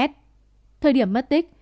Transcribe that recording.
thời điểm mất tích